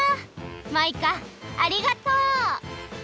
マイカありがとう！